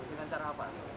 dengan cara apa